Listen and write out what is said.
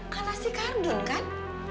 karena si kardon kan